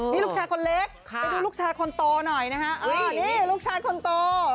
นี่ลูกชายคนเล็กไปดูลูกชายคนโตหน่อยนะฮะนี่ลูกชายคนโต